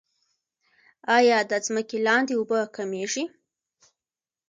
آیا د ځمکې لاندې اوبه کمیږي؟